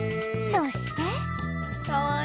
そして